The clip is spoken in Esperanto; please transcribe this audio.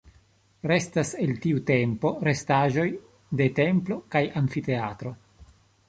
Restas el tiu tempo restaĵoj de templo kaj amfiteatro.